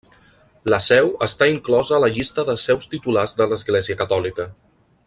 La seu està inclosa a la llista de seus titulars de l'Església Catòlica.